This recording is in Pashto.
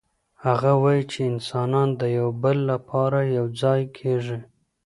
هغه وايي چي انسانان د يو بل لپاره يو ځای کيږي.